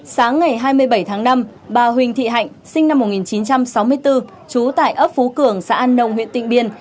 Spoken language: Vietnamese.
sáng ngày hai mươi bảy tháng năm bà huỳnh thị hạnh sinh năm một nghìn chín trăm sáu mươi bốn trú tại ấp phú cường xã an nông huyện tịnh biên